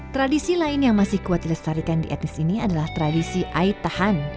tradisi lain yang masih kuat dilestarikan di etnis ini adalah tradisi aitahan